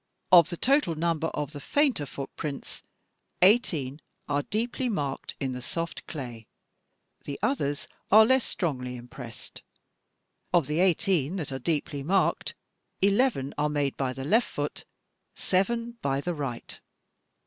"Of the total number of the fainter footprints, 18 are deeply marked in the soft clay, the others are less strongly impressed. Of the 18 that are deeply marked, 11 are made by the left foot, 7 by the right.